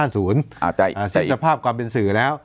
สิทธิภาพความเป็นสื่อแล้ว